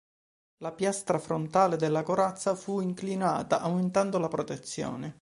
La piastra frontale della corazza fu inclinata, aumentando la protezione.